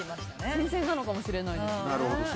新鮮なのかもしれないですね。